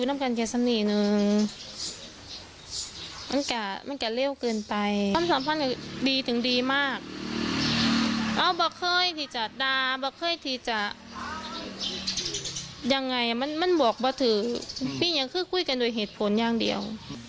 มันบอกว่าถือพี่ยังคือคุยกันโดยเหตุผลอย่างเดียว